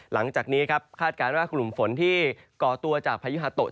หลังจากนี้ครับคาดการณ์ว่ากลุ่มฝนที่ก่อตัวจากพายุฮาโตะ